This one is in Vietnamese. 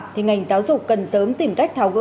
thì ngành giáo dục cần sớm tìm cách tháo gỡ